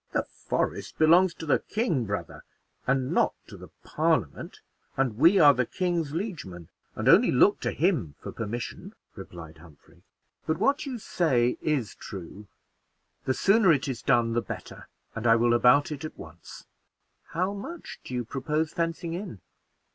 "The forest belongs to the king, brother, and not to the Parliament; and we are the king's liege men, and only look to him for permission," replied Humphrey; "but what you say is true: the sooner it is done the better, and I will about it at once." "How much do you propose fencing in?"